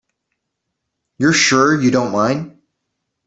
You're sure you don't mind?